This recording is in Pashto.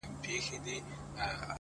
• زما له ملا څخه په دې بد راځي،